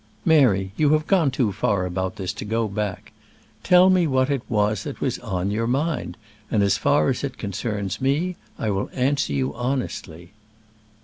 "Mary, you have gone too far about this to go back. Tell me what it was that was on your mind, and as far as it concerns me, I will answer you honestly."